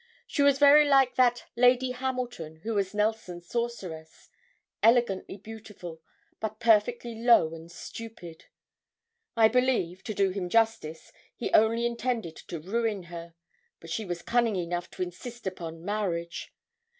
She was very like that Lady Hamilton who was Nelson's sorceress elegantly beautiful, but perfectly low and stupid. I believe, to do him justice, he only intended to ruin her; but she was cunning enough to insist upon marriage.